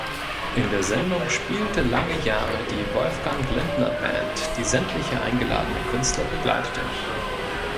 In der Sendung spielte lange Jahre die Wolfgang-Lindner-Band, die sämtliche eingeladene Künstler begleitete.